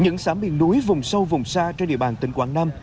những xã miền núi vùng sâu vùng xa trên địa bàn tỉnh quảng nam